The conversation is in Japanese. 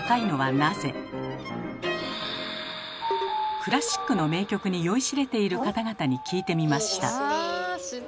クラシックの名曲に酔いしれている方々に聞いてみました。